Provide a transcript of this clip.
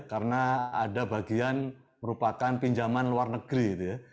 karena ada bagian merupakan pinjaman luar negeri gitu ya